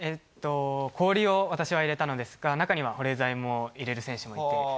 氷を私は入れたんですが中には保冷剤を入れる選手もいます。